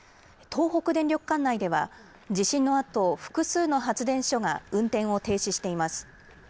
東北電力管内では地震のあと、複数の発電所が運転を停止しています。